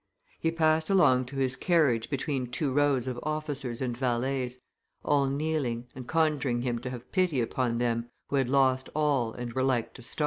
He passed along to his carriage between two rows of officers and valets, all kneeling, and conjuring him to have pity upon them who had lost all and were like to starve.